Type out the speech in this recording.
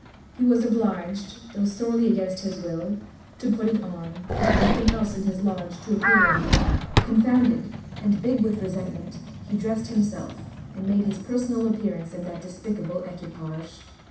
He was oblig'd, tho' sorely against his Will, to put it on, having nothing else in his Lodge to appear in: Confounded, and big with Resentment, he drest himself, and made his personal Appearance in that despicable Equipage.